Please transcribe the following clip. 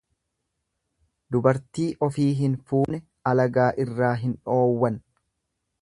Dubartii ofii hin fuune halagaa irraa hin dhoowwan.